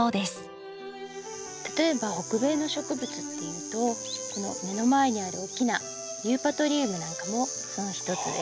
例えば北米の植物っていうとこの目の前にある大きなユーパトリウムなんかもその一つで。